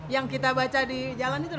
yang kita baca di jalan itu